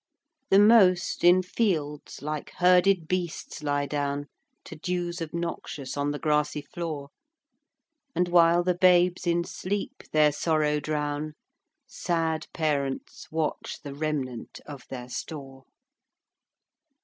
The most in fields like herded beasts lie down, To dews obnoxious on the grassy floor: And while the babes in sleep their sorrow drown, Sad parents watch the remnant of their store.